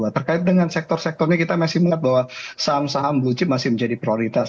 terkait dengan sektor sektornya kita masih melihat bahwa saham saham blue chip masih menjadi prioritas